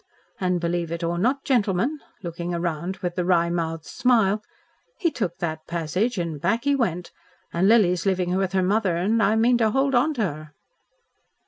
And believe it or not, gentlemen " looking round with the wry mouthed smile, "he took that passage and back he went. And Lily's living with her mother and I mean to hold on to her."